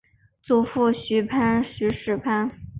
祖父许士蕃。